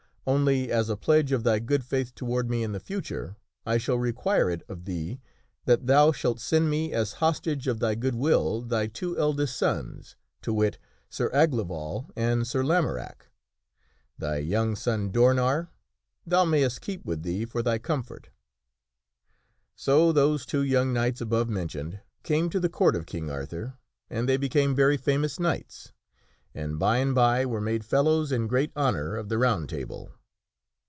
Only as a pledge of thy good faith toward me in the future, I shall Ki Arthur require it of thee that thou shalt send me as hostage of thy demands two of good will, thy two eldest sons, to wit : Sir Aglaval and Sir %$?* Lamorack. Thy young son, Dornar, thou mayest keep with hosta s e *'' thee for thy comfort." So those two young knights above mentioned came to the Court of King Arthur, and they became very famous knights, and by and by were made fellows in great honor of the Round Table.